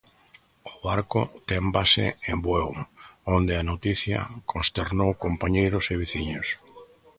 O barco ten base en Bueu, onde a noticia consternou compañeiros e veciños.